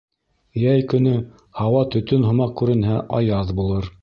Йәй көнө һауа төтөн һымаҡ күренһә, аяҙ булыр.